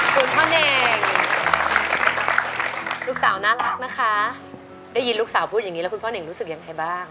คุณพ่อเน่งลูกสาวน่ารักนะคะได้ยินลูกสาวพูดอย่างนี้แล้วคุณพ่อเน่งรู้สึกยังไงบ้าง